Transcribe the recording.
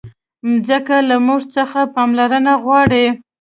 مځکه له موږ څخه پاملرنه غواړي.